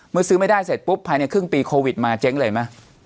ซื้อไม่ได้เสร็จปุ๊บภายในครึ่งปีโควิดมาเจ๊งเลยไหม